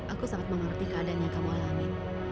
aku sangat mengerti keadaan yang kamu alami